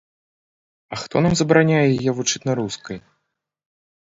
А хто нам забараняе яе вывучаць на рускай?